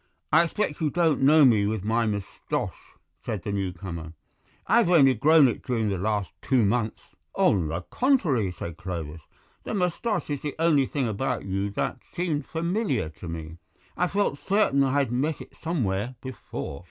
"I expect you don't know me with my moustache," said the new comer; "I've only grown it during the last two months." "On the contrary," said Clovis, "the moustache is the only thing about you that seemed familiar to me. I felt certain that I had met it somewhere before."